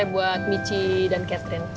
buat michi dan catherine